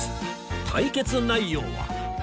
対決内容は